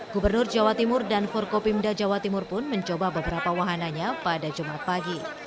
gubernur jawa timur dan forkopimda jawa timur pun mencoba beberapa wahananya pada jumat pagi